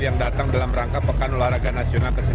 yang datang dalam rangka pekan olahraga nasional ke sembilan puluh